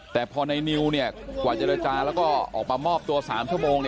แต่พอในนิวเนี่ยกว่าจะได้จานแล้วก็ออกมามอบตัว๓ชั่วโมง